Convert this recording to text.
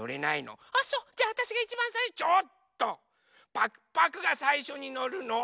パクパクがさいしょにのるの。